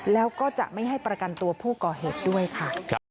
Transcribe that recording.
แล้วก็จะไม่ให้ประกันตัวผู้ก่อเหตุด้วยค่ะ